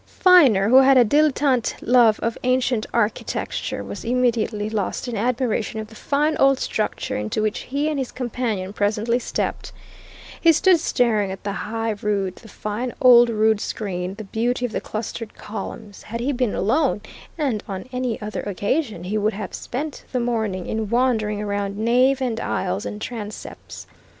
Viner, who had a dilettante love of ancient architecture, was immediately lost in admiration of the fine old structure into which he and his companion presently stepped. He stood staring at the high rood, the fine old rood screen, the beauty of the clustered columns had he been alone, and on any other occasion, he would have spent the morning in wandering around nave and aisles and transepts.